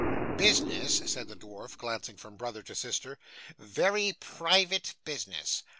'Business,' said the dwarf, glancing from brother to sister. 'Very private business.